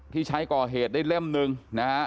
ที่ใช้ก่อเหตุได้เล่มหนึ่งนะฮะ